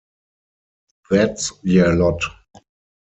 That’s Yer Lot!